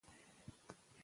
عبارت نحوي تړاو لري.